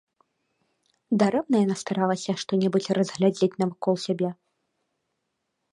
Дарэмна яна старалася што-небудзь разгледзець навокал сябе.